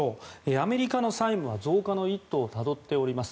アメリカの債務は増加の一途をたどっております。